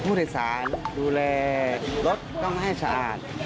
ผู้โดยสารดูแลรถต้องให้สะอาด